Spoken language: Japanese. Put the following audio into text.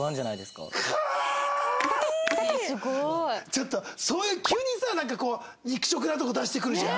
ちょっとそういう急にさなんかこう肉食なとこ出してくるじゃん？